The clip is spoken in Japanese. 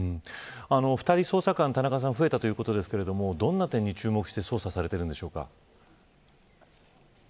捜査官が２人増えたということですがどんな点に注目されて捜査しているんでしょうか。